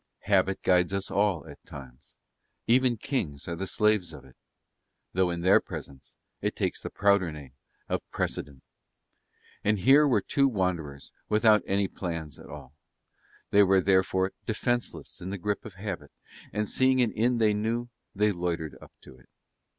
Habit guides us all at times, even kings are the slaves of it (though in their presence it takes the prouder name of precedent); and here were two wanderers without any plans at all; they were therefore defenceless in the grip of habit and, seeing an inn they knew, they loitered up to it.